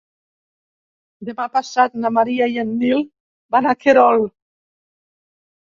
Demà passat na Maria i en Nil van a Querol.